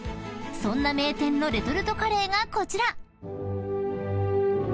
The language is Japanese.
［そんな名店のレトルトカレーがこちら］